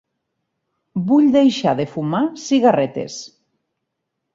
Vull deixar de fumar cigarretes.